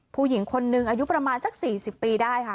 ผู้หญิงคนนึงอายุประมาณสัก๔๐ปีได้ค่ะ